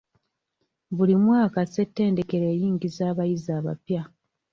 Buli mwaka Ssetendekero eyingiza abayizi abapya.